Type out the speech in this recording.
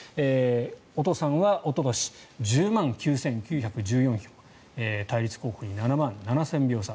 お父さんはおととし、１０万９９１４票対立候補に７万７０００票差。